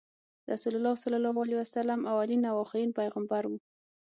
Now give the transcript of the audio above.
رسول الله ص اولین او اخرین پیغمبر وو۔